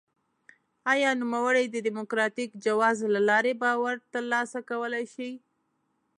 آیا نوموړی د ډیموکراټیک جواز له لارې باور ترلاسه کولای شي؟